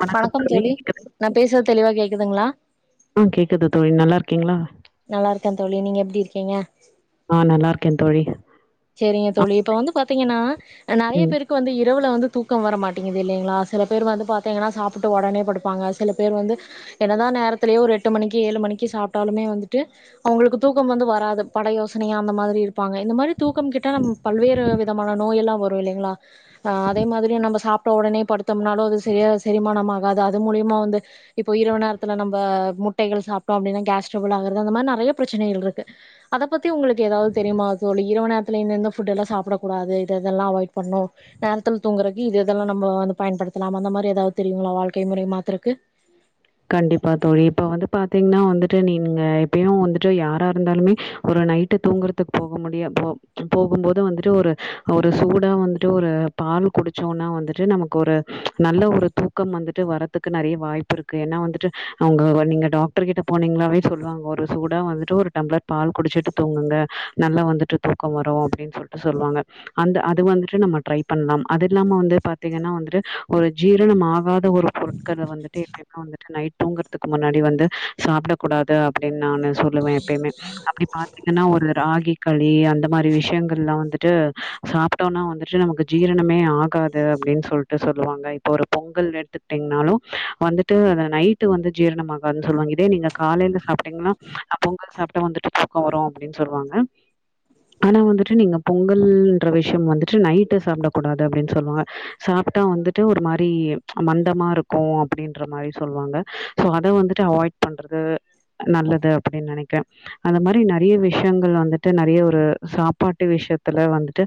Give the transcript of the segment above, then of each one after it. வணக்கம் தோழி கேக்குதா நா பேசுறது தெளிவா கேக்குதுங்களா அ கேக்குது தோழி நல்லா இருக்கீங்களா நல்லா இருக்க தோழி நீங்க எப்டி இருக்கீங்க அ நல்லா இருக்க தோழி சேரிங்க ஆ தோழி இப்ப வந்து பாத்தீங்கன்னா நறைய ம். பேருக்கு வந்து இரவுல வந்து தூக்கம் வர மாட்டேங்குது இல்லங்களா சில பேர் வந்து பாத்தீங்கன்னா சாப்ட்டு உடனே படுப்பாங்க சில பேர் வந்து என்ன தா நேரத்திலயே ஒரு எட்டு மணிக்கு ஏழு மணிக்கு சாப்ட்டாலுமே வந்துட்டு அவங்களுக்கு தூக்கம் வந்து வராது பல யோசனையா அந்த மாரி இருப்பாங்க இந்த மாரி தூக்கம் கெட்டா நம் பல்வேறு விதமான நோய் எல்லா வரும் இல்லைங்களா அதே மாதரி நம்ம சாப்ட்ட உடனே படுத்து ம்னாலு அது சரியா செரிமானமாக அது அது மூலியமா வந்து இப்ப இரவு நேரத்துல நம்ம முட்டைகள் சாப்ட்டோ அப்டின்னா கேஸ் ட்ரபுள் ஆகுறது அந்த மாரி நறையா பிரச்சனைகள் இருக்கு அத பத்தி உங்களுக்கு எதாவது தெரிமா தோழி இரவு நேரத்துல இன்னந்த ஃபுட் எல்லா சாப்பட கூடாது இது இதெல்லா அவாய்ட் பண்ணும் நேரத்துல தூங்கறக்கு இது இதெல்லா நம்ம வந்து பயன்படுத்தலாம் அந்த மாரி ஏதாது தெரியுங்களா வாழ்க்கை முறை மாத்தருக்கு கண்டிப்பா தோழி இப்ப வந்து பாத்தீங்ன்னா வந்துட்டு நீங்க எப்பயும் வந்துட்டு யாரா இருந்தாலுமே ஒரு நைட்டு தூங்குறதுக்கு போக முடிய போ போகும் போது வந்துட்டு ஒரு ஒரு சூடா வந்துட்டு ஒரு பால் குடிச்சோனா வந்துட்டு நமக்கு ஒரு நல்ல ஒரு தூக்கம் வந்துட்டு வரதுக்கு நறைய வாய்ப்பு இருக்கு ருக்கு ஏன்னா வந்துட்டு உங்க நீங்க டாக்டர் கிட்ட போனீங்களாவே சொல்லுவாங்க ஒரு சூடா வந்துட்டு ஒரு டம்ளர் பால் குடிச்சுட்டு தூங்குங்க நல்லா வந்துட்டு தூக்கம் வரும் அப்டின்னு சொல்ட்டு சொல்லுவாங்க அந்த அது வந்துட்டு நம்ம ட்ரை பண்ணலாம் அது இல்லாம வந்து பாத்தீங்கன்னா வந்துட்டு ஒரு ஜீரணம் ஆகா ஒரு பொருட்கள வந்துட்டு வந்துட்டு நைட் தூங்குறதுக்கு முன்னாடி வந்து சாப்ட கூடாது அப்டின் நானு சொல்லுவே எப்பயுமே அப்படி பாத்தீங்கன்னா ஒரு ராகி களி அந்த மாரி விஷயங்கள்லா வந்துட்டு சாப்ட்டோம்னா வந்துட்டு நமக்கு ஜீரணமே ஆகாது அப்டின் சொல்ட்டு சொல்லுவாங்க இப்ப ஒரு பொங்கல் எடுத்துக்கிட்டீங்ன்னாலு வந்து ட்டு நைட் வந்து ஜீரணமாகாதுணு சொல்லுவாங்க இதே நீங்க காலேல சாப்ட்டிங்னா பொங்கல் சாப்ட்டா வந்துட்டு தூக்க வரு அப்டின் சொல்வாங்க ஆனா வந்துட்டு நீங்க பொங்கல்ன்ற விஷயம் வந்துட்டு நைட்டு சாப்டக் கூடாது அப்டின் சொல்வாங்க சாப்ட்டா வந்துட்டு ஒரு மாரி மந்தமாருக்கு அப்டின் ன்ற மாரி சொல்வாங்க சோ அது வந்துட்டு அவாய்ட் பண்றது நல்லது அப்டின் நெனைக்கே அந்த மாரி நெறைய விஷயங்கள் வந்துட்டு நெறைய ஒரு சாப்பாட்டு விஷயத்துல வந்துட்டு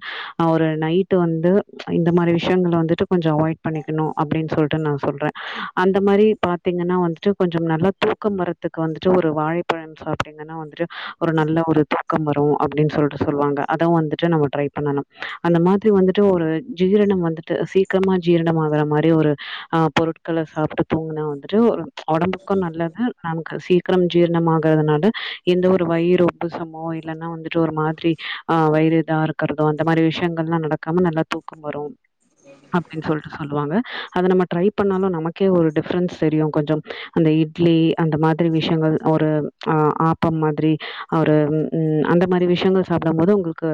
ஒரு நைட் வந்து இந்த மாரி விஷயங்கள வந்துட்டு கொஞ்ச அவாய்ட் பண்ணிக்கணு அப்டின் சொல்ட்டு நா சொல்றே அந்த மாரி பாத்திங்கனா வந்துட்டு கொஞ்ச நல்லா தூக்கம் வரத்துக்கு வந்துட்டு ஒரு வாழைப்பழம் சாப்ட்டிங்கன்னா வந்துட்டு ஒரு நல்ல ஒரு தூக்கம் வரு அப்டின் சொல்ட்டு சொல்வாங்க அத வந்துட்டு நம்ம ட்ரை பண்ணணும் அந்த மாதிரி வந்துட்டு ஒரு ஜீரணம் வந்துட்டு சீக்கிரமா ஜீரணம் ஆகற மாரி ஒரு ஆ பொருட்கள சாப் ட்டு தூங்குனா வந்துட்டு ஒரு ஒடம்புக்கு நல்லது நானு அது சீக்கிரம் ஜீர்ணம் ஆகறதனால எந்த ஒரு வயிறு உப்புசமோ இல்லன்னா வந்துட்டு ஒரு மாதிரி ஆ வயிறு இதா இருக்கறதோ அந்த மாரி விஷயங்கள் எல்லா நடக்காம நல்லா தூக்கம் வரும் அப்டின் சொல் சொல்லுவாங்க அத நம்ம ட்ரை பண்ணாலு நமக் கே ஒரு டிஃபரன்ஸ் தெரியு கொஞ்சம் அந்த இட்லி அந்த மாதிரி விஷயங்கள் ஒரு ஆ ஆப்பம் மாதிரி ஒரு அந்த மாரி விஷயங்கள் சாப்டும் போது உங்களுக்கு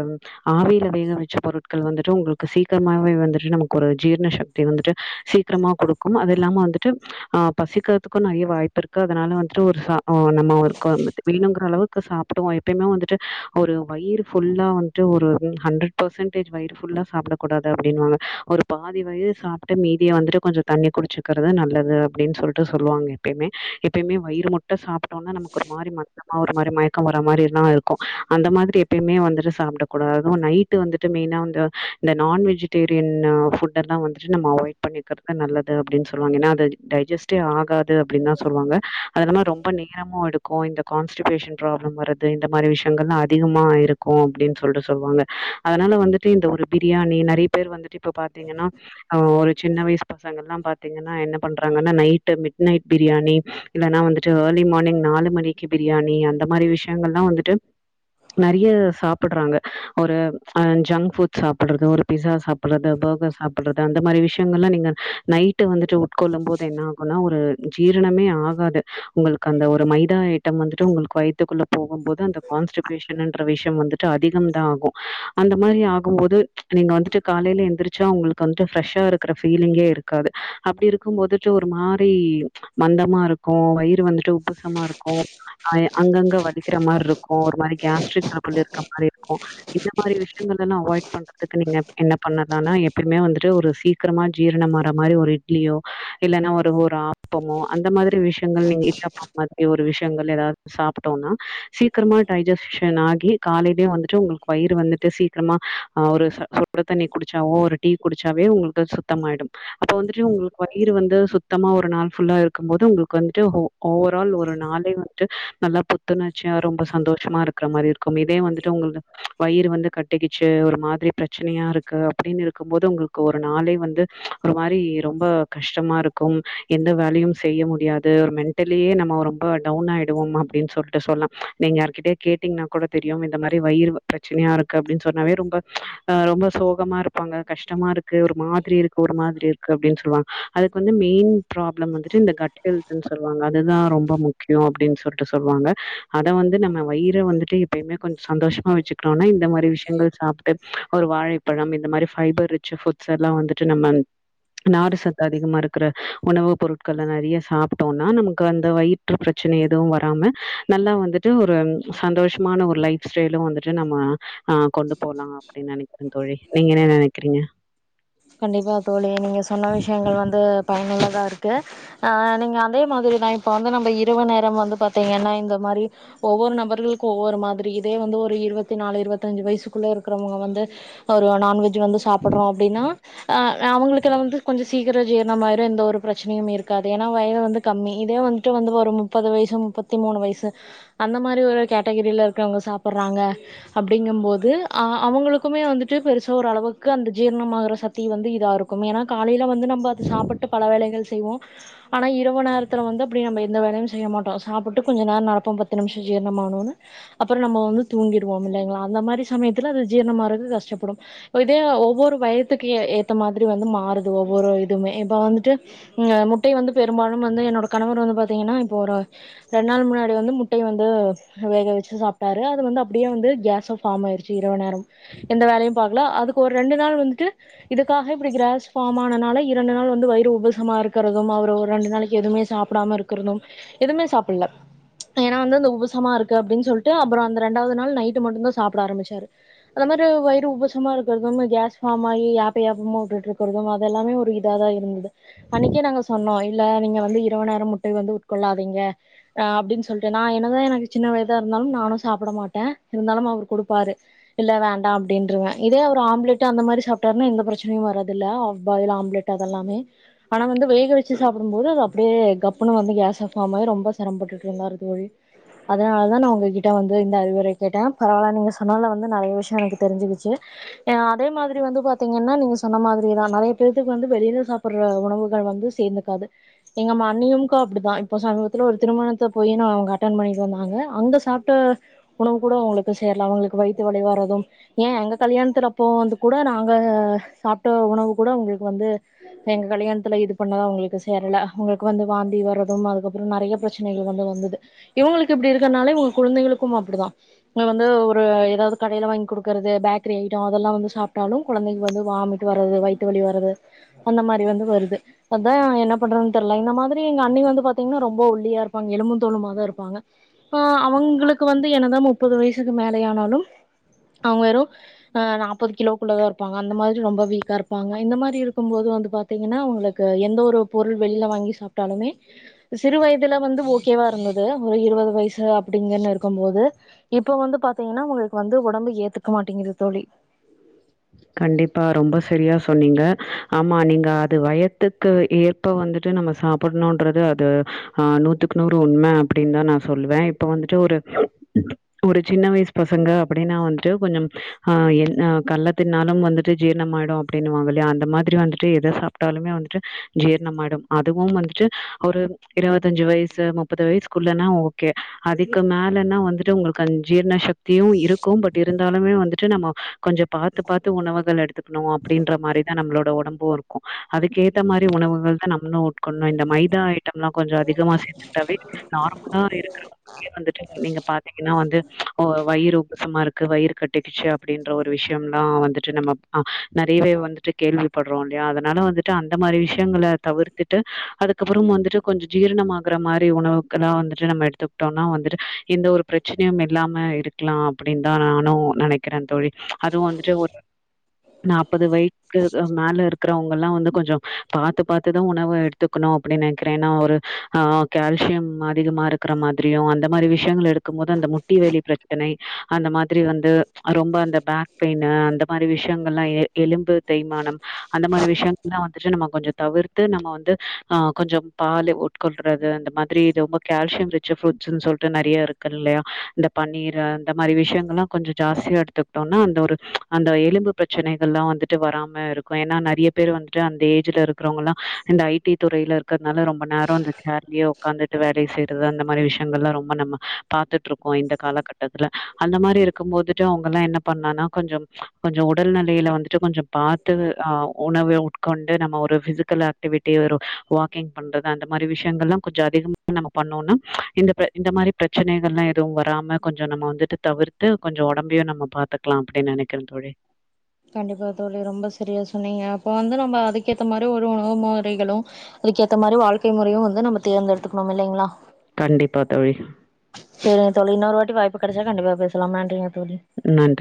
ஆவில வேக வெச்ச பொருட்கள் வந்துட்டு உங்களுக்கு சீக்கரமாவே வந்துட்டு நமக்கு ஒரு ஜீரண சக்தி வந்துட்டு சீக்கரமா குடுக்கும் அத இல்லாம வந்துட்டு ஆ பசிக்கறதுக்கு நெறைய வாய்ப்பு இருக்கு அதனால வந்துட்டு ஒரு ச ஓ நம்ம ஒரு க வேணுங்கற அளவுக் கு சாப்புடுவோ எப்பயுமே வந்துட்டு ஒரு வயிறு ஃபுல்லா வந்துட்டு ஒரு ஹன்ட்ரட் பர்சன்டெஜ் வயிறு ஃபுல்லா சாப்படக்கூடாது அப்டின்வாங்க ஒரு பாதி வயிறு சாப்ட்டு மீதிய வந்துட்டு கொஞ்ச தண்ணி குடிச்சு க்கறது நல்லது அப்டின்னு சொல்ட்டு சொல்வாங்க எப்பய்மே எப்பய்மே வயிறு முட்ட சாப் டோனா நமக்கு ஒரு மாரி ம ந்தமா ஒரு மாரி மயக்க வர மாரிலா இருக்கு அந்த மாதிரி எப்பயுமே வந்துட்டு சாப்டக்க கூடாது அதுவு நைட் வந்துட்டு மெயினா வந்து இந்த நான் வெஜிடேரியன் ஃபுட் எல்லா வந்துட்டு நம்ம அவாய்ட் பண்ணிக்கறது நல்லது அப்டின்னு சொல் வாங்க ஏன்னா அது டைஜஸ்ட்டே ஆகாது அப்டின்தா சொல்வாங்க அது இல்லாம ரொம்ப நேரமு எடுக்கு இந்த கான்ஸ்டிபேஷன் பிராப்ளம் வரது இந்த மாரி விஷயங்கள்லா அதிகமா இருக்கு அப்டின் சொல்ட்டு சொல்வாங்க அதனால வந்துட்டு இந்த ஒரு பிரியாணி நெறைய பேர் வந்துட்டு இப்ப பாத்திங்கன்னா ஒரு சின்ன வயசு பசங்கல்லா பாத் திங்கன்னா என்ன பண்றாங்கன்னா நைட்டு மிட் நைட் பிரியாணி இல்லன்னா வந்துட்டு ஏர்லி மார்னிங் நாலு மணிக்கு பிரியாணி அந்த மாரி விஷயங்கள்லா வந்துட்டு நெறைய சாப்பட்றாங்க ஒரு அ ஜங்க் ஃபுட் சாப்படறது ஒரு பிசா சாப்படறது பர்கர் சாப் பட்றது அந்த மாரி விஷ்யங்கள்லா நீங்க நைட் டு வந்துட்டு உட்கொள்ளும்போது என்ன ஆகும்னா ஒரு ஜீரணமே ஆகாது உங்களுக்கு அந்த ஒரு மைதா ஐட்டம் வந்துட்டு உங்களுக்கு வயித்துக்குள்ள போகும்போது அந்த கான்ஸ்டிபேஷன்ன்ற விஷ்யம் வந்துட்டு அதிகம் தா ஆகும் அந்த மாரி ஆகும்போது நீங்க வந்துட்டு காலைல எந்துரிச் சா உங்ளுக்கு வந்துட்டு ஃப்ரெஷ்ஷாருக்ர ஃபீலிங்கே இருக்காது அப்டி இருக்கும்போதுட்டு ஒரு மாரி மந்தமாருக்கு வயிறு வந்துட்டு உப்புசமாருக்கு ஆய் அங்கங்க வலிக்குர மாரி இருக்கு ஒரு மாரி கேஸ்ட்ரிக் ட்ரபுள் இருக்க மாரி இருக்கு இந்த மாரி விஷயங்கல்லலா அவாய்ட் பண்றதுக்கு நீங்க என்ன பண்ணலானா எப்பயுமே வந்துட்டு ஒரு சீக்கிரமா ஜீரணமார இம்மாரி ஒரு இட்லியோ இல்லன்னா ஒரு ஒரு ஆப்பமோ அந்த மாதிரி விஷயங்கள் நீங்க இடியாப்போ மாதிரி ஒரு விஷயங்கள் எதாவது சாப்புட்டோனா சீக்கிரமா டைஜஸஷன் ஆகி காலையிலயே வந்துட்டு உங்களுக்கு வயிறு வந்துட்டு சீக்கிரமா அ ஒரு சொ சொட்டு தண்ணி குடிச்சாவோ ஒரு டீ குடிச்சாவே உங்களுக்கு சுத்தமாய்டும் இப்ப வந்துட்டு உங்ளுக்கு வயிறு வந்து சுத்தமா ஒரு நாள் ஃபுல்லா இருக்கும் போது உங்ளுக்கு வந்துட்டு ஓவரால் ஒரு நாளே வந்துட்டு நல்லா புத்துணர் சே ரொம்ப சந்தோஷமாருக்ற மாரி இருக்கு மேபி வந்துட்டு அவங்கள வயிறு வந்து கட்டிக்குச்சு ஒரு மாதிரி பிரச்சனையாருக்கு அப்டின் இருக்கு போது உங்குளுக்கு ஒரு நாளே வந்து ஒரு மாரி ரொம்ப கஷ்டமாருக்கும் எந்த வேலையும் செய்ய முடியாது ஒரு மென்டலியே நம்ம ரொம்ப டவுன் ஆயிடுவோம் அப்டின்னு சொல்ட்டு சொன்னா நீங்க யாருகிட்டயே கேட்டீங்னா கூட தெரியும் இந்த மாரி வயிறு வ பிரச்சனையா இருக்கு அப்டின்னு சொன்னாவே ரொம்ப அ ரொம்ப சோகமாரு ப்பாங்க கஷ்டமாருக்கு ஒரு மாதிரி இருக் மாதிரிருக்கு அப்டின் சொல்வாங்க அதுக்கு வந்து மெயின் ப்ராப்ளம் வந்துட்டு இந்த கட் ஹெல்த்துன் சொல்வாங்க அதுதா ரொம்ப முக்கியோ அப்டின் சொல்ட்டு சொல்வாங்க அத வந்து நம்ம வயிறே வந்துட்டு எப்பயுமே கொஞ் சந்தோஷமா வச்சுக்றோனா இந்த மாரி விஷயங்கள் சாப்ட்டு ஒரு வாழைப்பழம் இந்த மாரி ஃபைபர் ரிச்சு ஃபுட்ஸ்சலா வந்து ட்டு நம்ம நாறு சத்து அதிகமா இருக்குற உணவு பொருட்கள நெறைய சாப்பிட்டோனா நமக்கு அந்த வயிற்று பிரச்சனை எதுவும் வராம நல்லா வந்துட்டு ஒரு சந்தோஷமான ஒரு லைஃப் ஸ்டைலும் வந்துட்டு நம்ம நா கொண்டு போலான் அப்டின் நெனைக்கிறே தோழி நீங்க என்ன நெனைக் க்குறீங்க கண்டிப்பா தோழி நீங்க சொன்ன விஷயங்கள் வந்து பயனுள்ளதா இருக்கு அ நீங்க அதே மாதிரிதா இப்போ வந்து நம்ப இரவு நேரம் வந்து பாத்திங்கன்னா இந்த மாரி ஒவ்வொரு நபர்களுக்கும் ஒவ்வொரு மாதிரி இதே வந்து ஒரு இருவத்தி நாலு இருவத்தஞ்சு வயசுக்குள்ள இருக்கிறவங்க வந்து ஒரு நான்வெஜ் வந்து சாப்புட்றோம் அப்டின்னா ஆ நா அவங்களுக்குல்லா வந்து கொஞ்ச சீ க்கிரோ ஜீரணம் ஆய்ரும் எந்த ஒரு பிரச்சனையும் இருக்காது ஏன்னா வயது வந்து கம்மி இதே வந்துட்டு வந்து ஒரு முப்பது வயசு முப்பத்தி மூணு வயசு அந்த மாரி ஒரு கேட்டகிரில இருக்குறவங்க சாப்புடுறாங்க அப்படிங்கும் போது அ அவங்களுக்குமே வந்துட்டு பெருசா ஒரு அளவுக்கு அந்த ஜீர்ணமாகற சக்த் தி வந்து இதாருக்கு ஏனா காலைல வந்து நம்ம அது சாப்புட்டு பல வேலைகள் செய்வோ ஆனா இரவு நேரத்துல வந்து அப்டி நம்ம எந்த வேலையு செய்ய மாட்டோ சாப்புட்டு கொஞ்ச நேரோ நடப்போ பத்து நிம்ஷ ஜீர்ணமானுனு அப்றோ நம்ம வந்து தூங்கிடுவோ இல்லைங்ளா அந்த மாரி சமயத்துல அது ஜீர்ணமாறது கஷ்டப்படும் இதே ஒவ்வொரு வயதுக் கிய ஏத்த மாதிரி வந்து மாறுது ஒவ்வொரு இதுமே இப்ப வந்துட்டு அ முட்டை வந்து பெரும்பாலு வந்து என்னோட கணவர் வந்து பா திங்னா இப்போ ஒரு ரெண்டு நாள் முன்னாடி வந்து முட்டை வந்து வேக வச்சு சாப்ட்டாரு அது வந்து அப்டியே வந்து கேஸும் ஃபார்மாயிடுச்சு இரவு நேரம் எந்த வேலையு பாக்ல அதுக்கு ஒரு ரெண்டு நாள் வந்துட்டு இதுக்காக இப்டி க்ரஸ் ஃபார்ம் ஆனனால இரண்டு நாள் வந்து வயிறு உப்புசமா இருக்கறதும் அவரு ஒரு ரெண்டு நாளைக்கு எதுமே சாப்டாம இருக்கறதும் எதுமே சாப்புல்ல ஏனா வந்து அந்த உபுசமாருக்கு அப்டின் சொல்ட்டு அப்றோ அந்த ரெண்டாவது நாள் நைட்டு மட்டும்தா சாப்ட ஆரம்பிச்சாரு அதமாரி வயிறு உபுசமா இருக்க [unintelligible] கேஸ் ஃபார்ம் மாய் யாப்ப யாப்பமா வுட்டுட்டுருக்றதும் அதெல்லாமே ஒரு இதாதா இருந்தது அன்னைக்கே நாங்க சொன்னோ இல்ல நீங்க வந்து இரவு நேரம் முட்ட வந்து உட்கொள்ளாதீங்க அ அப்டின் சொல்ட்டு நா என்னதா எனக்கு சின்ன வயதா இருந்தாலும் நானும் சாப்புட மாட்ட இருந்தாலும் அவர் குடுப்பாரு இல்ல வேண்டாம் அப்டின்றுவ இதே அவரு ஆம்லேட் அந்த மாரி சாப்டார்னா எந்த பிரச்சனையும் வராதுல்ல ஹாஃப் பாயில் ஆம்ளேட் அதெல்லாமே ஆனா வந்து வேக வச்சு சாப்புடும் போது அது அப்படியே கப்புனு வந்து கேஸா ஃபார்ம் ஆகி ரொம்ப செரம பட்டுட்டுருந்தாரு. ழி அதனால தா நா உங்ககி வந்து இந்த அறிவுரை கேட்டே பரவால நீங்க சொல் அதனால வந்து நெறைய விஷயம் எனக்கு தெரிஞ்சிக்குச்சு ஏனா அதே மாதிர் இப்டி வந்து பாத்தீங்கன்னா நீங்க சொன்ன மாதிரிதா நறைய பேத்துக்கு வந்து வெளில சாப்புர்ற உணவுகள் வந்து சேந்துக்காது எங்க மன்னியு க்கு அப்டிதா இப்ப சமீபத்துல ஒரு திருமணத்த போய் நா அவங்க அட்டென் பண்ணிட்டு வந்தாங்க அங்க சாப்ட உணவு கூட அவங்குளுக்கு சேர்ல அவங்ளுக்கு வயித்துவலி வரதும் ஏன் எங்க கல்யாணத்துலப்போ வந்து கூட நாங்க சாப்ட உணவு கூட உங்களுக்கு வந்து எங்க கல்யாணத்துல இது பண்ணதா உங்களுக்கு சேரல ஒங்குளுக்கு வந்து வாந்தி வரு அந்தமா அதுக்கப்பறோ நறைய பிரச்சனைகள் வந்து வந்தது இங்களுக்கு இப்டி இருக்கறதுனால இவங்க குழந்தைகளுக்கு அப்டிதா அதுவந்து ஒரு ஏதாது கடைல வாங்கிகுடுக்கறது பேக்கிரி ஐடோ அதெல்லா வந்து சாப் விட்டாலு கொழந்தைக்கு வந்து வாமிட் வரது வயித்து வலி வரது அந்த மாரி வந்து வருது அதா என்ன பண்றாங் தெர்யல இந்த மாதிரி எங்க அண்ணி வந்து பாத்தீங்கன்னா ரொம்ப ஒல்லியா இருப்பாங்க எழும்பு தோலுமா தா இருப்பாங்க ஆ அவுங்களுக்கு வந்து என்ன தா முப்பது வயசுக்கு மேலயானாலு அவங்க வெறு நாப்பது கிலோ க்குள்ள தா இருப்பாங்க அந்த மாரி ரொம்ப வீக்கா இருப்பாங்க இந்த மாரி இருக்கும்போது வந்து பாத்தீங்கன்னா அவங்களுக்கு எந்த ஒரு பொருள் வெளியில வாங்கி சாப்டாலுமே சிறு வயதுல வந்து ஓகேவா இருந்தது ஒரு இருபது வயசு அப்டிங்கன்னு இருக்கும்போது இப்ப வந்து பாத்தீங்னா ஒங் வந்து ஒடம்பு ஏத்துக் மாட்டேங்குது தோழி கண்டிப்பா ரொம்ப செரியா சொன்னீங்க ஆமா நீங்க அது வயத்துக்கு ஏற்ப வந்துட்டு நம்ம சாப்புணும்ன்றது அது அ நூத்துக்கு நூறு உண்மை அப்படின்தா நா சொல்வ இப்ப வந்துட்டு ஒரு ஒரு சின்ன வய்ஸ் பசங்க அப்படின்னா வந்துட்டு கொஞ்சம் அ அ கல்ல தின்னாலும் வந்துட்டு ஜீரணமாயிடும் அப்படின்னுவாங்க இல்லையா அந்த மாதிரி வந்துட்டு எதை சாப்ட்டாலுமே வந்துட்டு ஜீர்ணமாய்டு அதுவும் வந்துட்டு ஒரு இருபத்தஞ்சு வய்சு முப்பது வய்சுக்குள்ளனா ஓகே அதுக்கு மேலன்னா வந்துட்டு உங்களுக்கு அது ஜீர்ண சக்தியும் இருக்கும் பட் இருந்தாலுமே வந்துட்டு நம்ம கொஞ்ச பாத்து பாத்து உணவுகள் எடுத் துக்ணு அப்டின்ற மாரி நம்ப்ளோட உடம்பு இருக்கு அதுக்கு ஏத்த மாரி உணவுகள் தா நம்ப்ளு கொன்ன இந்த மைதா ஐட்டம்லா கொஞ்ச அதிகமா சேத்துட்டாவே நார்மலா இருக்குறவங்ளே வந்துட்டு நீங்க பாத்தீங்னா வந்து வயிறு சம்மா இருக்கு வயிறு கட்டிகிச்சு அப்டின் ஒரு விஷ்யம்தா வந்துட்டு நம்ம நறைய்வே வந்துட்டு கேள்விப்படுறோமல இல்லயா அதனால வந்துட்டு அந்த மாதுரி விஷயங்கள தவிர்த்துட்டு அதுக்கப்றோ வந்துட்டு கொஞ்ச ஜீரண ஆகற மாதுரி உணவுகளாம் வந்துட்டு நம்ம எடுத்துக்கிட்டோம்னா வந்துட்டு எந்த ஒரு ப்ரச்சனையு இல்லாம இருக்கலா அப்டின்னு தா நானு நினைக்கிறே தோழி அதுவு வந்துட்டு ஒரு நாற்பது வய்துக்கு மேல இருக்கறவங்கலா வந்து கொஞ்ச பாத்து பாத்துதா உணவு எடுத்துக்கணு அப்படின்னு நினைக்கிறே ஏன்னா ஒரு ஆஹ் கேல்சியம் அதிகமா இருக்கிற மாதுரியும் அந்த மாதுரி விஷ்யங்கள் எடுக்கும்போது அந்த முட்டி வெலி ப்ரச்சனை அந்த மாரி வந்து ரொம்ப அந்த பேக் பெயின்னு அந்த மாரி விஷ்யங்கலா எ எலும்பு தெய்மானம் அந்த மாரி விஷ்யங்கலா வந்துட்டு நம்ம கொஞ்சம் தவிர்த்து நம்ம வந்து ஆஹ் கொஞ்சம் பால் உட்கொள்றது இந்த மாதிரி இது ரொம்ப கேல்சியம் ரிச் ஃப்ரூட்ஸ்ன்னு சொல்ட்டு நெறய இருக்கு இல்லையா இந்த பன்னீர் அந்த மாரி விஷ்யங்ஙலா கொஞ்ச ஜாஸ்தியா எடுத் அந்த ஒரு அந்த எலும்பு ப்ரச்சனைகல்லா வந்துட்டு வராம இருக்கு ஏன்னா நெறய பேர் வந்துட்டு அந்த ஏஜ்ல இருக்கிறவங்கலா இந்த ஐடி துறையில இருக்கறதுனால ரொம்ப நேரோ அந்த சேர்லயே உக்காந்துட்டு வேல செய்றது அந்த மாரி விஷ்யங்கலா ரொம்ப நம்ம பாத்துட்டு இருக்கோ இந்த காலகட்டத்துல அந்த மாரி இருக்கு போதுட்டு அவங்கல்லா என்ன பண்ணனா கொஞ்ச கொஞ்ச உடல் நலையில வந்துட்டு கொஞ்ச பாத்து அ உணவு உட்கொண்டு நம்ம ஒரு பிசிக்கல் ஆக்டிவிட்டி ஒரு வாக்கிங் பண்றது அந்த மாதிரி விஷ்யங்கள்லா கொஞ்சம் அதிகமாக நம்ம பண்ணோனா இந்த இந்த மாரி ப்ரச்சனைகலா எதுவு வராம கொஞ்சம் நம்ம வந்துட்டு தவிர்த்து கொஞ்சம ஒடம்ப்யு நம்ம பார்த்துக்க க்குலா அப்புடின்னு நெனைக்கிறன் தோழி கண்டிப்பா தோழி ரொம்ப சரியா சொன்னீங்க அப்போ வந்து நம்ப அதுக்கேத்த மாரி ஒரு உணவு முறைகளும் அதுக்கேத்த மாரி வாழ்க்கை முறையும் வந்து நம்ம தேர்ந்தெடுத்துக்கணும் இல்லைங்களா கண்டிப்பா தோழி சரிங்க தோழி இன்னொரு வாட்டி வாய்ப்பு கிடைச்சா கண்டிப்பா பேசலாம் நன்றிங்க தோழி நன்றி.